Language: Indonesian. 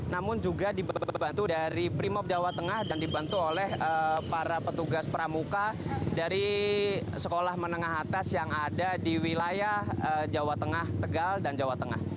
namun juga dibantu dari primob jawa tengah dan dibantu oleh para petugas pramuka dari sekolah menengah atas yang ada di wilayah jawa tengah tegal dan jawa tengah